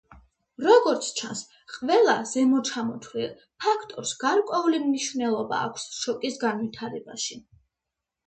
როგორც ჩანს, ყველა ზემოჩამოთვლილ ფაქტორს გარკვეული მნიშვნელობა აქვს შოკის განვითარებაში.